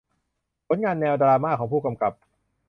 ผลงานแนวดราม่าของผู้กำกับ